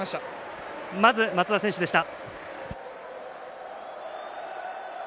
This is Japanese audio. まず、松田選手でした。